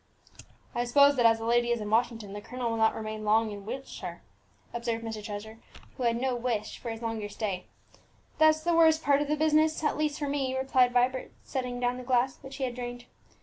"I suppose that as the lady is in Washington, the colonel will not remain long in Wiltshire," observed Mr. Trevor, who had no wish for his longer stay. "That's the worst part of the business, at least for me," replied Vibert, setting down the glass, which he had drained.